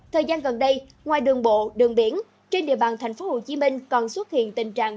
thời gian gần đây ngoài đường bộ đường biển trên địa bàn tp hcm còn xuất hiện tình trạng